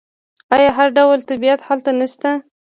آیا هر ډول طبیعت هلته نشته؟